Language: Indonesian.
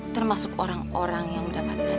termasuk orang orang yang mendapatkan